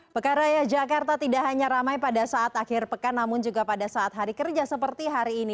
pekan raya jakarta tidak hanya ramai pada saat akhir pekan namun juga pada saat hari kerja seperti hari ini